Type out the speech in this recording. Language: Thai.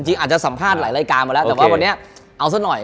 อาจจะสัมภาษณ์หลายรายการมาแล้วแต่ว่าวันนี้เอาซะหน่อย